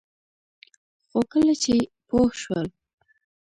خو کله چې پوه شول